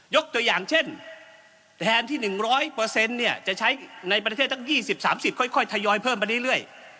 ยกตัวอย่างเช่นแทนที่หนึ่งร้อยเปอร์เซ็นต์เนี่ยจะใช้ในประเทศทั้งยี่สิบสามสิบค่อยค่อยทยอยเพิ่มไปเรื่อยเรื่อย